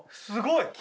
すごい！